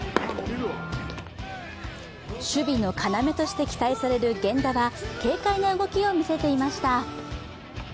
守備の要として期待される源田は軽快な動きを見せていました。